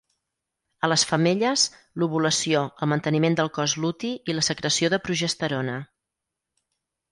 A les femelles: l"ovulació, el manteniment del cos luti i la secreció de progesterona.